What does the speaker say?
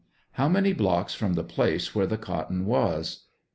How many blocks from the place where the cot ton was?